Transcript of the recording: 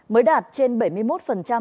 mới đạt trên bảy mươi một